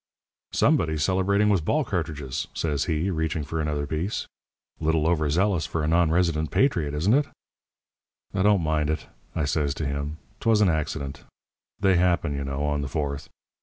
"'Somebody's celebrating with ball cartridges,' says he, reaching for another piece. 'Little over zealous for a non resident patriot, isn't it?' "'Don't mind it,' I says to him. ''Twas an accident. They happen, you know, on the Fourth.